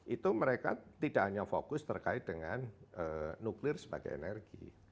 itu mereka tidak hanya fokus terkait dengan nuklir sebagai energi